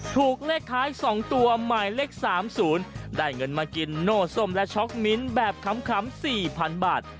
ถูกเลขท้าย๒ตัวหมายเลข๓๐ได้เงินมากินโน่ส้มและช็อกมิ้นแบบขำ๔๐๐๐บาท